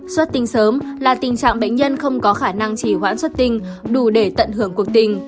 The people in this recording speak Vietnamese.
xuất tinh sớm là tình trạng bệnh nhân không có khả năng chỉ hoãn xuất tinh đủ để tận hưởng cuộc tình